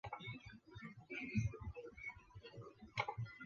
而且所用的引发剂制备简单而且比较便宜。